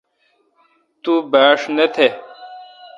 تو باݭ نہ تھ۔